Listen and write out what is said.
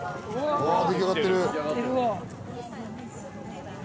うわ出来上がってる。